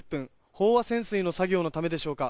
飽和潜水の作業のためでしょうか